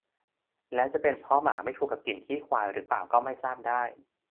แล้วจะเป็นเพราะหมาไม่ถูกกับกลิ่นขี้ควายหรือเปล่าก็ไม่ทราบได้